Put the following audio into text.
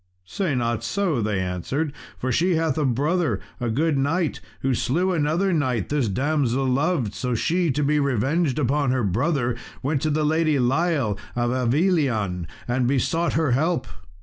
"Say not so," they answered, "for she hath a brother a good knight, who slew another knight this damsel loved; so she, to be revenged upon her brother, went to the Lady Lile, of Avilion, and besought her help.